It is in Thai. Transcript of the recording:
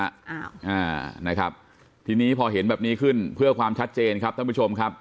อ่าอ่านะครับทีนี้พอเห็นแบบนี้ขึ้นเพื่อความชัดเจนครับท่านผู้ชมครับ